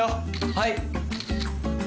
はい。